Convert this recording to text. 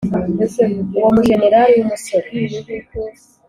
uwo mujenerali w'umusore